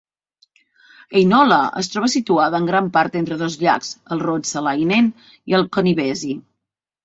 Heinola es troba situada en gran part entre dos llacs, el Ruotsalainen i el Konnivesi.